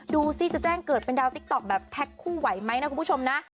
ดูสิจะแจ้งเกิดเป็นดาวติ๊กต๊อกแบบแพ็คคู่ไหวไหมนะคุณผู้ชมนะ